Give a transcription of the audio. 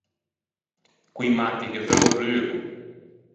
Co-i matti ghe veu o brugo.